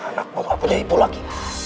anakmu mau aku jadi ibu lagi